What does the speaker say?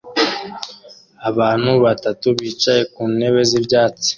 Abantu batatu bicaye ku ntebe z'ibyatsi